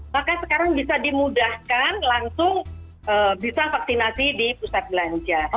maka sekarang bisa dimudahkan langsung bisa vaksinasi di pusat belanja